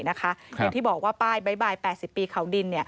อย่างที่บอกว่าป้ายบ๊ายบาย๘๐ปีเขาดิน